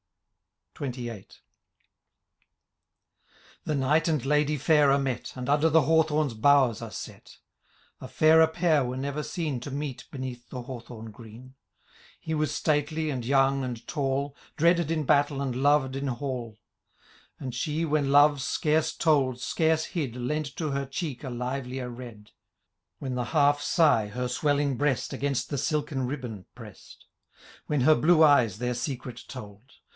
XXVIII. The Knight and ladye fair are met. And under the hawthorn's boughs are set A fairer pair were never seen To meet beneath the hawthorn green. He was stately, and young, and tall ; Dreaded in battle, and loved in hall : And she, when love, scarce told, scarce hid. Lent to her cheek a livelier red ; When the half sigh her' swelling breast Agidnst the silken ribbon prest ; When her blue eyes their secret told.